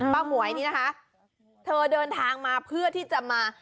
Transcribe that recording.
หมวยนี่นะคะเธอเดินทางมาเพื่อที่จะมา